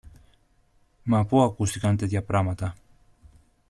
Μα πού ακούστηκαν τέτοια πράματα!